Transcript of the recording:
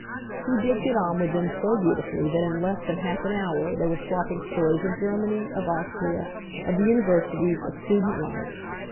He did get on with them so beautifully that in less than half an hour they were swapping stories of Germany, of Austria, of the universities, of student life.